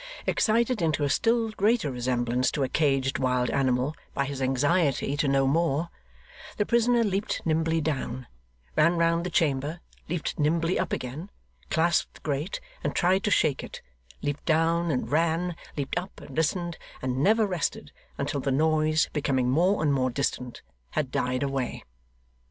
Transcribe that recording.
Excited into a still greater resemblance to a caged wild animal by his anxiety to know more, the prisoner leaped nimbly down, ran round the chamber, leaped nimbly up again, clasped the grate and tried to shake it, leaped down and ran, leaped up and listened, and never rested until the noise, becoming more and more distant, had died away.